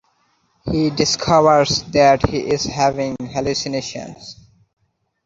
He discovers that he is having hallucinations.